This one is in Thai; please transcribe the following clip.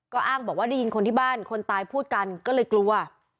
ก็อ้างบอกว่าได้ยินคนที่บ้านคนตายพูดกันก็เลยกลัว